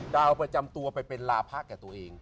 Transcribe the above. ดาวประจำตัวไปเป็นลาพะแก่ตัวเอง